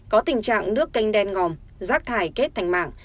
có tình trạng nước kênh đen ngòm rác thải kết thành mạng